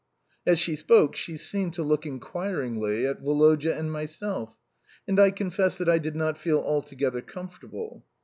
As she spoke she seemed, to look inquiringly at Woloda and myself, and I confess that I did not feel altogether comfortable.